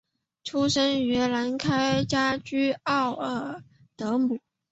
生于兰开夏郡奥尔德姆。